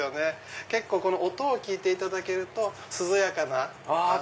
この音を聞いていただけると涼やかな。